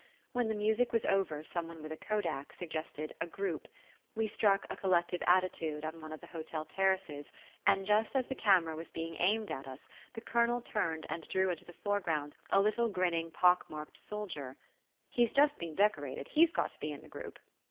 When the music was over some one with a kodak suggested "a group": we struck a collective attitude on one of the hotel terraces, and just as the camera was being aimed at us the Colonel turned and drew into the foreground a little grinning pock marked soldier. "He's just been decorated he's got to be in the group."